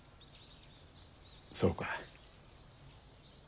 そうか。